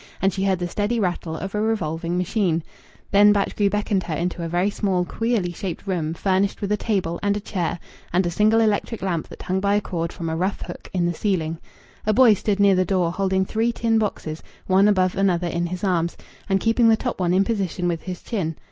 And she heard the steady rattle of a revolving machine. Then Batchgrew beckoned her into a very small, queerly shaped room furnished with a table and a chair and a single electric lamp that hung by a cord from a rough hook in the ceiling. A boy stood near the door holding three tin boxes one above another in his arms, and keeping the top one in position with his chin.